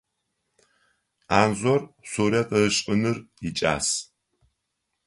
Анзор сурэт ышӏыныр икӏас.